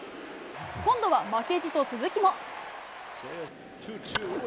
今度は負けじと鈴木も。